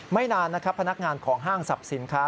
ไม่นานนะครับพนักงานของห้างสรรพสินค้า